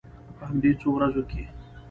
په همدې څو ورځو کې.